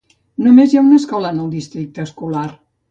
Només hi ha una escola en el districte escolar.